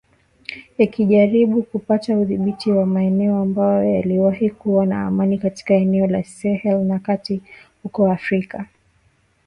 Yakijaribu kupata udhibiti wa maeneo ambayo yaliwahi kuwa na amani katika eneo la Sahel ya kati huko Afrika magharibi.